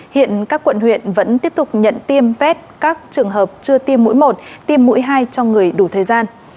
hiện các quận huyện vẫn tiếp tục nhận tiêm vét các trường hợp chưa tiêm mũi một tiêm mũi hai cho người đủ thời gian